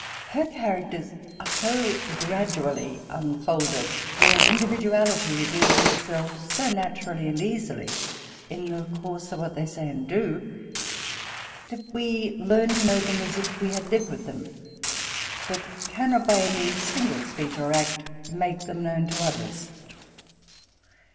Her char acters are so gradoally nnfolded, their individaallty reveals itself so nata rally and easily in the coarse of what they say and do, that we learn to know them as if we had lived with them, bat cannot by any single speech or act make them known to others.